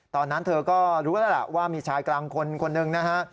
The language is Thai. ตอนนั้นเธอก็รู้แล้วล่ะว่ามีชายกลางคนคนหนึ่งนะฮะ